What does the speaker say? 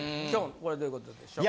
これどういうことでしょう。